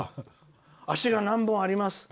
足が何本あります。